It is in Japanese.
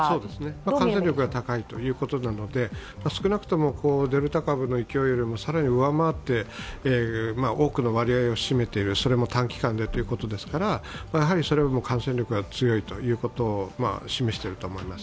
感染力が高いということなので少なくともデルタ株の勢いよりも更に上回って多くの割合を占めているそれも短期間でということですから、それも感染力が強いことを示していると思います。